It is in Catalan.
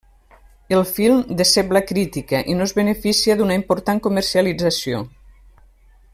El film decep la crítica i no es beneficia d'una important comercialització.